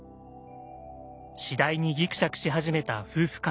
次第にぎくしゃくし始めた夫婦関係。